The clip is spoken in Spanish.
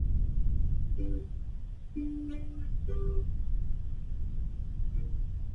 Era sufragánea de la arquidiócesis de Upsala, de cuyo territorio había sido separada.